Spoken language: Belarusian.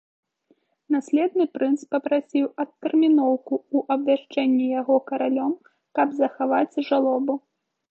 Наследны прынц папрасіў адтэрміноўку ў абвяшчэнні яго каралём, каб захаваць жалобу.